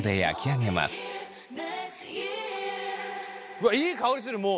うわいい香りするもう。